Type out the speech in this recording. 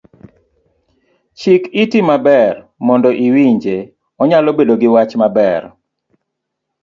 Chik iti maber mondo iwinje, onyalo bedo giwach maber.